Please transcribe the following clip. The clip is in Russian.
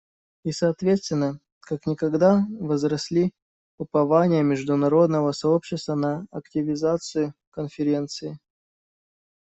И соответственно, как никогда возросли упования международного сообщества на активизацию Конференции.